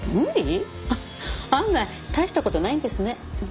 案外大した事ないんですね。